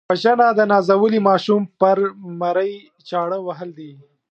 وژنه د نازولي ماشوم پر مرۍ چاړه وهل دي